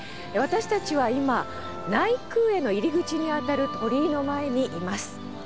私たちは今内宮への入り口にあたる鳥居の前にいます。